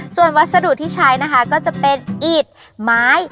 ส่วนวัสดุที่ใช้นะคะก็จะเป็นอีดไม้